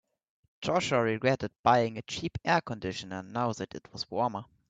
Joshua regretted buying a cheap air conditioner now that it was warmer.